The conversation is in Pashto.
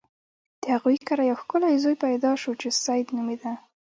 د هغوی کره یو ښکلی زوی پیدا شو چې سید نومیده.